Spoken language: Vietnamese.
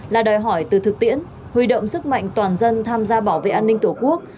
là đòi hỏi từ thực tiễn huy động sức mạnh toàn dân tham gia bảo vệ an ninh tổ quốc